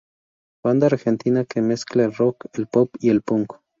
Banda argentina que mezcla el rock, el pop y el punk.